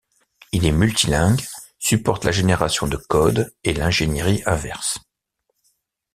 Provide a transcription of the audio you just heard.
Il est multilingue, supporte la génération de code et l'ingénierie inverse.